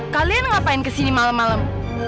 kalian ngapain kesini malem malem